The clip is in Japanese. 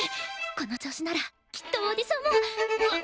この調子ならきっとオーディションも。